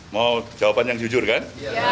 mau jawaban yang jujur kan